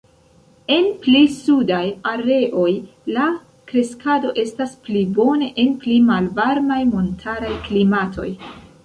En pli sudaj areoj, la kreskado estas pli bone en pli malvarmaj montaraj klimatoj.